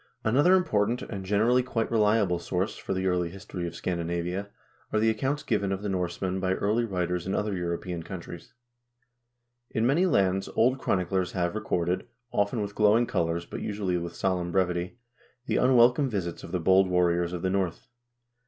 42 HISTORY OF THE NORWEGIAN PEOPLE Another important and, generally, quite reliable source for the early history of Scandinavia are the accounts given of the Norsemen by early writers in other European countries. In many lands old chroni clers have recorded, often with glowing colors, but usually with solemn brevity, the unwelcome visits of the bold warriors of the North.